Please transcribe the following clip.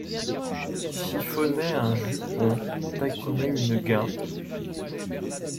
Chiffonnaient un jupon, taquinaient une guimpe ?